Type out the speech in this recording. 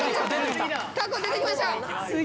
タコ出てきました。